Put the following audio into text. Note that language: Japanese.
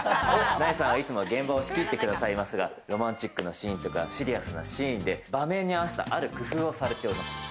苗さんはいつも現場を仕切ってくださいますが、ロマンチックなシーンやシリアスなシーンで場面に合わせた、ある工夫をされています。